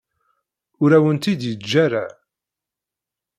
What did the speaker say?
Ur awen-tt-id-yeǧǧa ara.